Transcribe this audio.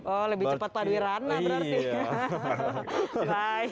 oh lebih cepat paduirana berarti